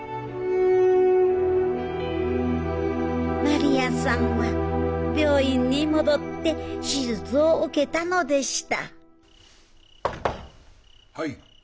真理亜さんは病院に戻って手術を受けたのでした・はい。